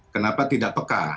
kenapa tidak peka